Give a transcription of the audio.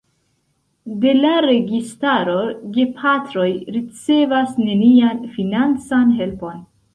De la registaro gepatroj ricevas nenian financan helpon.